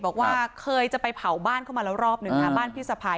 บอกว่าเคยไปเข้าบ้านเข้ามาแล้วรอบนึง